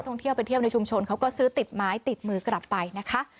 ท่องเที่ยวไปเที่ยวในชุมชนเขาก็ซื้อติดไม้ติดมือกลับไปนะคะ